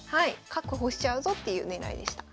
確保しちゃうぞっていう狙いでした。